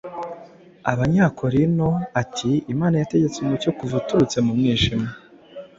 Abanyakorinto ati: “Imana yategetse umucyo kuva uturutse mu mwijima,